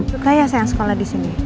suka ya sayang sekolah disini